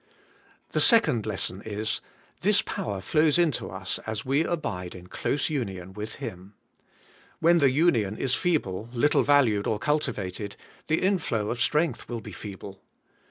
The second lesson is: This power flows into us as we abide in close union with Him. When the union is feeble, little valued or cultivated, the inflow of strength will be feeble.